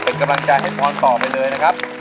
เป็นกำลังใจให้พรต่อไปเลยนะครับ